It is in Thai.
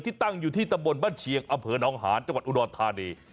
ที่ตั้งอยู่ที่ตะบลบ้านเชียงอเผินน้องหานจังหวัดอุดอทธานี